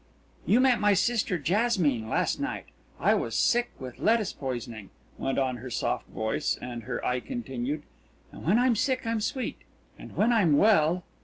"You met my sister, Jasmine, last night. I was sick with lettuce poisoning," went on her soft voice, and her eye continued, "and when I'm sick I'm sweet and when I'm well."